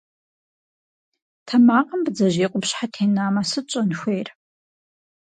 Тэмакъым бдзэжьей къупщхьэ тенамэ, сыт щӏэн хуейр?